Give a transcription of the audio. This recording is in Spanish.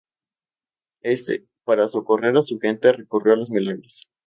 Este, para socorrer a su gente recurrió a los milagros.